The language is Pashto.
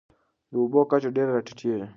د اوبو کچه ډېره راټیټېږي.